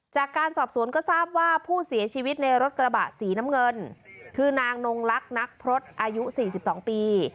จากการสอบสวนก็ทราบว่าผู้เสียชีวิตในรถกระบะสีน้ำเงินคือนางนงลักษณ์พรสอายุ๔๒ปี